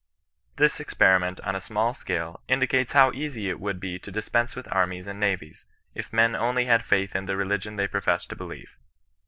" This experiment on a small scale indicates how easy it would be to dispense with armies and navies, if men only had faith in the religion they profess to believe.